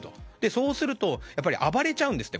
そうすると暴れちゃうんですって。